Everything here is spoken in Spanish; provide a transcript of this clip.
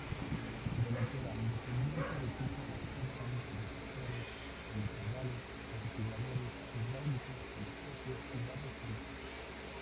Delantera: independiente de tipo McPherson, con resortes helicoidales, amortiguadores hidráulicos telescópicos y barra estabilizadora.